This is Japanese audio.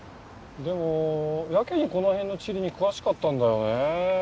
でもやけにこの辺の地理に詳しかったんだよね。